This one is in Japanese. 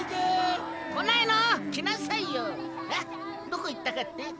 どこ行ったかって？